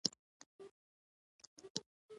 پوهان لکه روسو پر ټولنې نیوکې وکړې.